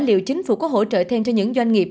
liệu chính phủ có hỗ trợ thêm cho những doanh nghiệp